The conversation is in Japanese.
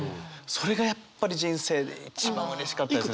それがやっぱり人生で一番うれしかったですね。